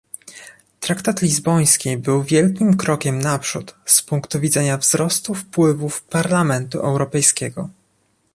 Traktat lizboński był wielkim krokiem naprzód z punktu widzenia wzrostu wpływów Parlamentu Europejskiego